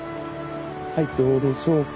はいどうでしょうか。